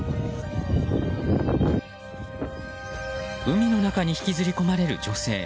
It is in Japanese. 海の中に引きずり込まれる女性。